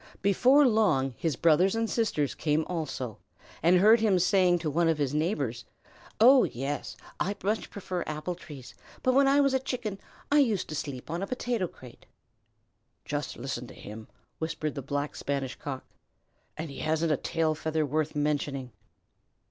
Before long his brothers and sisters came also, and heard him saying to one of his new neighbors, "Oh, yes, I much prefer apple trees, but when I was a Chicken I used to sleep on a potato crate." "Just listen to him!" whispered the Black Spanish Cock. "And he hasn't a tail feather worth mentioning!"